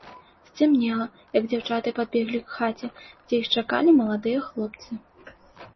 Сцямнела, як дзяўчаты падбеглі к хаце, дзе іх чакалі маладыя хлопцы.